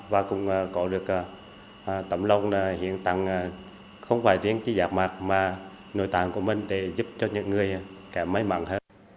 và cũng có được tấm lông hiện tạng không phải tiến trí giác mạc mà nội tạng của mình để giúp cho những người kẻ mấy mạng hơn